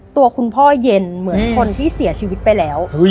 ตัวคุณพ่อเย็นเหมือนคนที่เสียชีวิตไปแล้ว